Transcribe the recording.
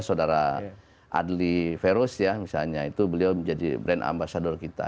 saudara adli feros ya misalnya itu beliau menjadi brand ambasador kita